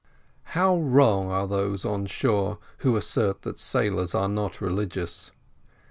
How wrong are those on shore who assert that sailors are not religious!